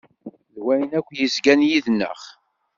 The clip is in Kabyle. D wayen akk yezgan yid-neɣ.